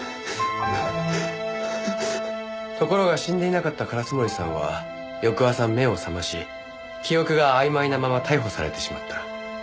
ところが死んでいなかった烏森さんは翌朝目を覚まし記憶があいまいなまま逮捕されてしまった。